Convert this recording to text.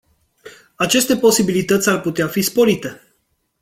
Aceste posibilități ar putea fi sporite.